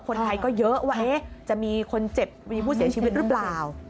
คนไทยก็เยอะว่าจะมีคนเจ็บมีผู้เสียชีวิตหรือเปล่า